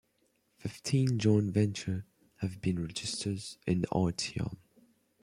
Fifteen joint ventures have been registered in Artyom.